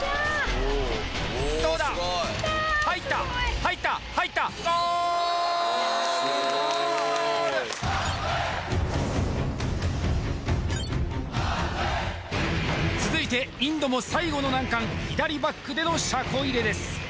おすごい入った入った入った続いてインドも最後の難関左バックでの車庫入れです